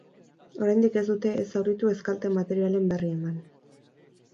Oraindik ez dute ez zauritu ez kalte materialen berri eman.